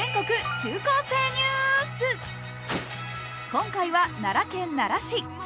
今回は奈良県奈良市。